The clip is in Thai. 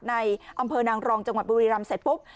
ในอำเภอนางรองจังหวัดบุรีรำเสร็จปุ๊บ